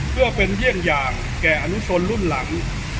เพื่อเป็นเยี่ยงอย่างแก่อนุชนรุ่นหลัง